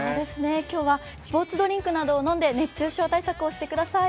今日はスポーツドリンクなどを飲んで熱中症対策をしてください。